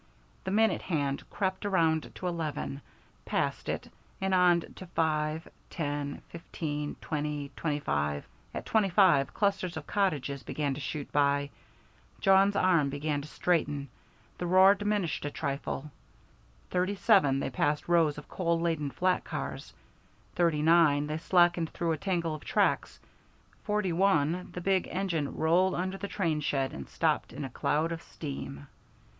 The minute hand crept around to eleven, passed it, and on to five, ten, fifteen, twenty, twenty five. At thirty five clusters of cottages began to shoot by. Jawn's arm began to straighten the roar diminished a trifle. Thirty seven they passed rows of coal laden flat cars; thirty nine, they slackened through a tangle of tracks; forty one, the big engine rolled under the train shed and stopped in a cloud of steam.